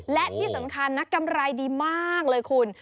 และที่สำคัญนะกำไรดีมากเลยคุณ